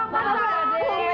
aduh gimana sih kelapa